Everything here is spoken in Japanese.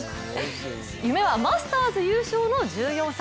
夢はマスターズ優勝の１４歳。